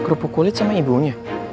kerupuk kulit sama ibunya